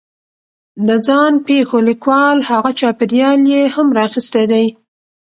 د ځان پېښو لیکوال هغه چاپېریال یې هم را اخستی دی